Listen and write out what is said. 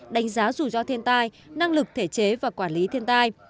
đánh giá rủi ro thiên tai năng lực thể chế và quản lý thiên tai